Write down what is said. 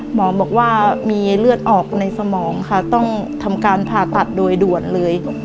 หมอบอกว่ามีเลือดออกในสมองค่ะต้องทำการผ่าตัดโดยด่วนเลย